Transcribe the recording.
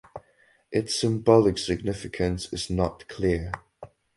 Its symbolic significance is not clear.